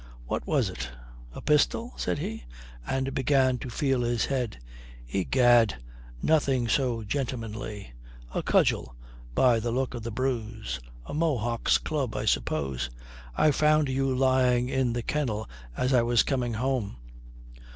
"What was it? A pistol?" said he, and began to feel his head. "Egad, nothing so gentlemanly. A cudgel, by the look of the bruise. A Mohock's club, I suppose. I found you lying in the kennel as I was coming home."